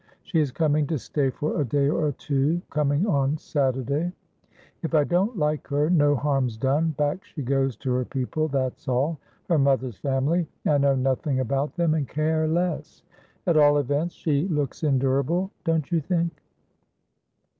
She is coming to stay for a day or two coming on Saturday. If I don't like her, no harm's done. Back she goes to her people, that's allher mother's familyI know nothing about them, and care less. At all events, she looks endurabledon't you think?"